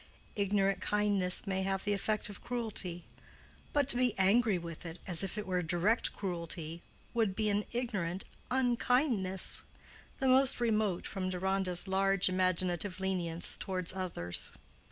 Ignorant kindness may have the effect of cruelty; but to be angry with it as if it were direct cruelty would be an ignorant _un_kindness, the most remote from Deronda's large imaginative lenience toward others.